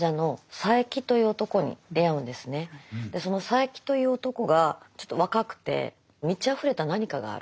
その佐柄木という男がちょっと若くて満ちあふれた何かがある。